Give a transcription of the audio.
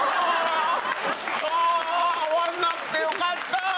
ああ終わらなくてよかった！